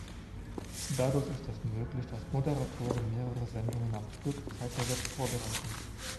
Dadurch ist es möglich, dass Moderatoren mehrere Sendungen am Stück zeitversetzt vorbereiten.